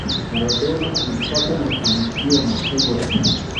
maradona alipata mafanikio makubwa sana